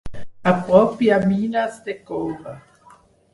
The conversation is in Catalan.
A prop hi ha mines de coure.